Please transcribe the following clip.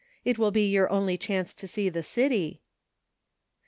It will be your only chance to see the city."